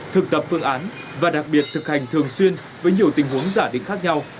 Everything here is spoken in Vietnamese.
thực tập phương án và đặc biệt thực hành thường xuyên với nhiều tình huống giả định khác nhau